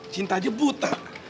cinta aja butuh